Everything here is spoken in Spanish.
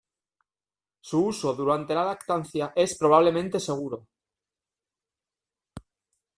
Su uso durante la lactancia es probablemente seguro.